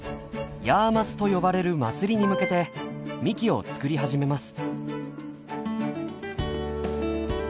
ヤーマスと呼ばれる祭りに向けてみきを作り始めます。